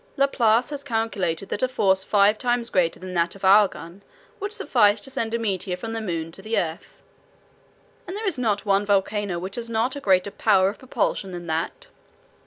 "Laplace has calculated that a force five times greater than that of our gun would suffice to send a meteor from the moon to the earth, and there is not one volcano which has not a greater power of propulsion than that."